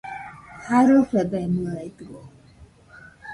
Jarɨfebemɨedɨo